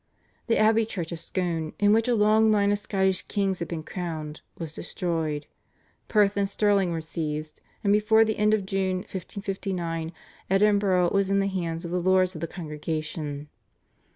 The abbey church of Scone, in which a long line of Scottish kings had been crowned, was destroyed; Perth and Stirling were seized, and before the end of June 1559 Edinburgh was in the hands of the lords of the Congregation.